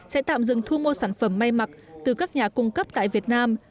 sẽ tạm dừng thu mua sản phẩm may mặc từ các nhà cung cấp tại việt nam